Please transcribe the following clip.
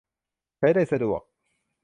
ใช้ได้สะดวก